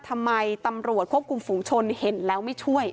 ทำไมตำรวจควบคุมฝูงชนเห็นแล้วไม่ช่วย